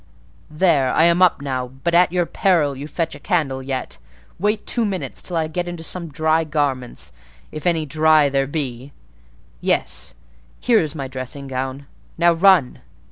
"There! I am up now; but at your peril you fetch a candle yet: wait two minutes till I get into some dry garments, if any dry there be—yes, here is my dressing gown. Now run!"